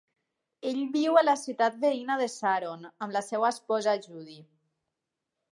Ell viu a la ciutat veïna de Sharon, amb la seva esposa Judy.